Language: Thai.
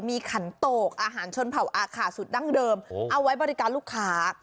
มีขันโตกอาหารชนเผ่าอาขาสุดดั้งเดิมเอาไว้บริการลูกค้า